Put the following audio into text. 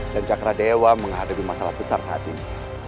dan cakra dewa menghadapi masalah besar saat ini